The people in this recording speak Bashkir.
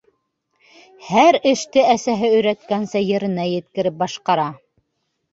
Һәр эште әсәһе өйрәткәнсә еренә еткереп башҡара.